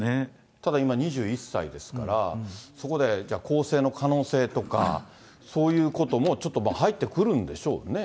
ただ今２１歳ですから、そこで更生の可能性とか、そういうこともちょっと入ってくるんでしょうね。